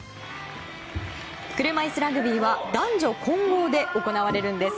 車いすラグビーは男女混合で行われるんです。